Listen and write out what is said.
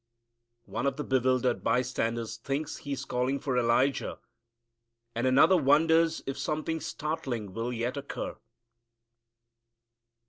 One of the bewildered bystanders thinks He is calling for Elijah, and another wonders if something startling will yet occur.